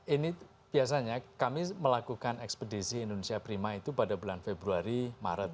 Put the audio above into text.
ini biasanya kami melakukan ekspedisi indonesia prima itu pada bulan februari maret